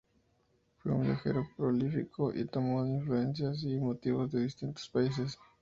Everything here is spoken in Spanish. Fue un viajero prolífico, y tomó influencias y motivos de distintos países.